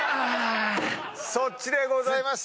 そっちでございました。